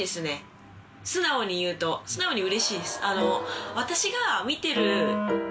素直にうれしいです。